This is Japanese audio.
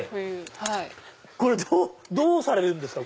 これどうされるんですか？